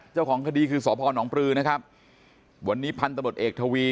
เจ้าของคดีคือสพนปลือนะครับวันนี้พันธบทเอกทวี